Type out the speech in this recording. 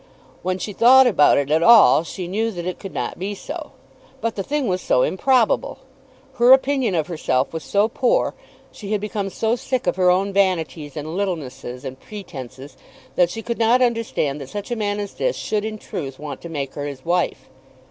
When she thought about it at all, she knew that it could not be so. But the thing was so improbable! Her opinion of herself was so poor, she had become so sick of her own vanities and littlenesses and pretences, that she could not understand that such a man as this should in truth want to make her his wife.